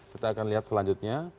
kita akan lihat selanjutnya